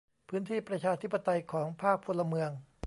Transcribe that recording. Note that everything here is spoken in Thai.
พื้นที่ประชาธิปไตยของภาคพลเมือง